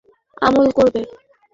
এরা জাহান্নামীদেরই আমল করবে।